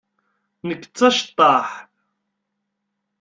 Nekk d taceṭṭaḥt.